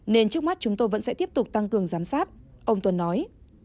nên trước mắt chúng tôi vẫn sẽ tiếp tục tăng cường giám sát ông tuần nói